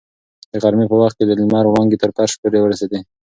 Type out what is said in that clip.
د غرمې په وخت کې د لمر وړانګې تر فرش پورې ورسېدې.